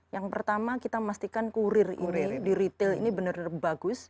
yang pertama kita memastikan kurir ini di retail ini benar benar bagus